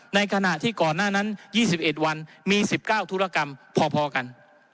ในขณะที่ก่อนหน้านั้น๒๑วันมี๑๙ธุรกรรมพอกัน